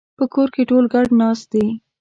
په کور کې ټول ګډ ناست دي